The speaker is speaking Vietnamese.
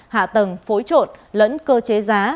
hạ tầng phối trộn lẫn cơ chế giá